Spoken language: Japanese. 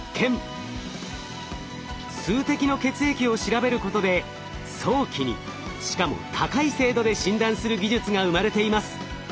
数滴の血液を調べることで早期にしかも高い精度で診断する技術が生まれています。